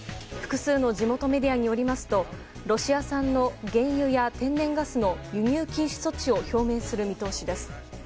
複数の地元メディアによりますとロシア産の原油や天然ガスの輸入禁止措置を表明する見通しです。